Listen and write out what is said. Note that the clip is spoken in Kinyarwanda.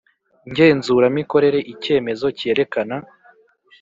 Ngenzuramikorere icyemezo cyerekana